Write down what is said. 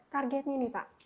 targetnya nih pak